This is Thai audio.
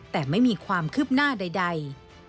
แต่ไม่มีความคืบหน้าใด